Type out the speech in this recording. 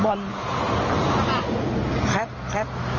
คนตัดย่าเป็นรถไหนครับ